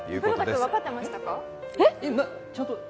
古田君、分かってましたか？